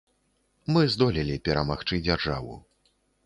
Мы здолелі перамагчы дзяржаву.